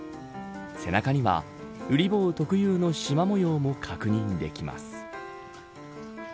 背中には、うり坊特有のしま模様も確認できます。